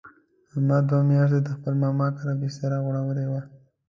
احمد دوه میاشتې د خپل ماما کره بستره غوړولې وه.